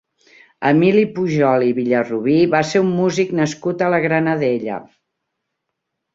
Emili Pujol i Villarrubí va ser un músic nascut a la Granadella.